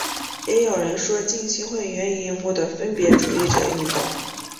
也有人说浸信会源于英国的分别主义者运动。